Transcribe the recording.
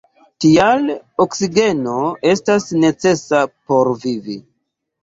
Tial, oksigeno estas necesa por vivi.